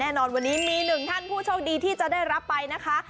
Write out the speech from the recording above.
แน่นอนวันนี้มีหนึ่งท่านผู้โชคดีที่จะได้รับไปนะคะ